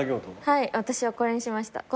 はい私はこれにしました。